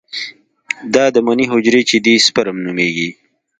دا د مني حجرې چې دي سپرم نومېږي.